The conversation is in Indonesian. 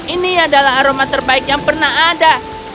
ini adalah aroma terbaik yang pernah ada